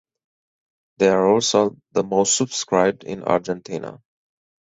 They are also the most subscribed in Argentina.